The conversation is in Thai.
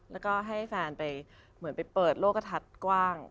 แล้วก็ให้แฟนปิดโลกกระทัดกว้าง